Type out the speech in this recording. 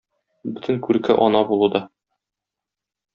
Бөтен күрке ана булуда.